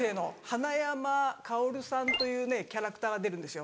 花山カオルさんというねキャラクターが出るんですよ。